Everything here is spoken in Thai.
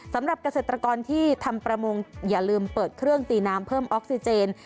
สำหรับเกษตรกรที่ทำประมงอย่าลืมเปิดเครื่องตีน้ำเพิ่มออกซิเจน